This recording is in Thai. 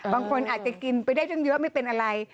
บางคนอาจจะกินไปได้ตั้งเยอะไม่เป็นอะไร